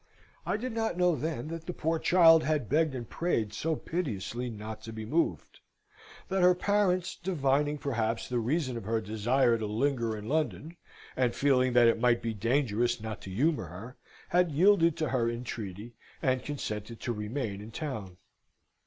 I did not know then that the poor child had begged and prayed so piteously not to be moved, that her parents, divining, perhaps, the reason of her desire to linger in London, and feeling that it might be dangerous not to humour her, had yielded to her entreaty, and consented to remain in town.